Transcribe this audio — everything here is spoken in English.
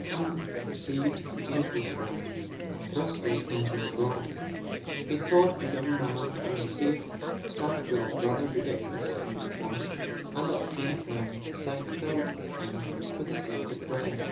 Campton had received the same photograph, and thrust it into a drawer; he thought a young man on a safe staff job rather ridiculous in uniform, and at the same time the sight filled him with a secret dread.